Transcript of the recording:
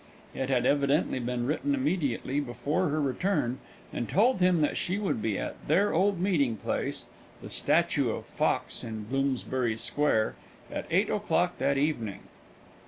It had evidently been written immediately before her return, and told him that she would be at their old meeting place (the statue of Fox in Bloomsbury Square) at eight o'clock that evening.